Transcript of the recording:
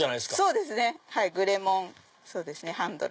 そうですねグレモンハンドルで。